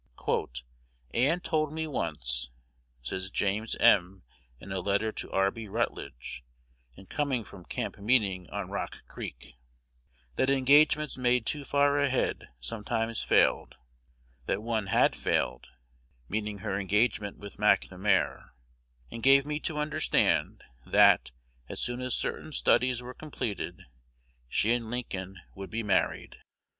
"Ann told me once," says James M. in a letter to R. B. Rutledge, in coming from camp meeting on Rock Creek, "that engagements made too far ahead sometimes failed; that one had failed (meaning her engagement with McNamar), and gave me to understand, that, as soon as certain studies were completed, she and Lincoln would be married."